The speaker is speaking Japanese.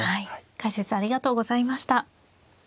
解説ありがとうございました。